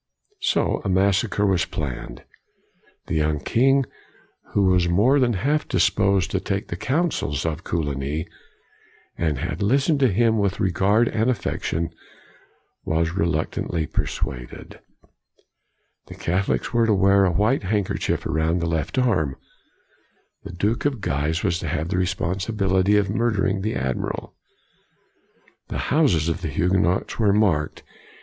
So a massacre was planned. The young king, who was more than half disposed to take the counsels of Coligny, and had listened to him with regard and affection, was reluctantly persuaded. The Catholics were to wear a white handkerchief around the left arm. The Duke of Guise was to have the responsibility of murdering the Admiral. The houses of the Huguenots were marked.